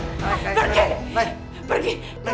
biar aku ambil nailah